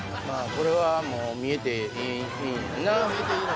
これはもう見えていいんやんな